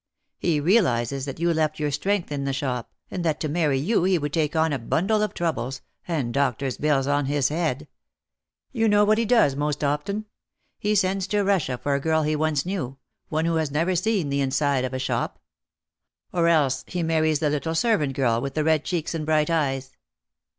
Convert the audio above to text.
He realises that you left your strength in the shop, and that to marry you he would take on a bundle of troubles, and doctor's bills on his head. You know what he does most often ? He sends to Russia for a girl he once knew, one who has never seen the inside of a shop. Or else he marries the little servant girl with the red cheeks and bright eyes.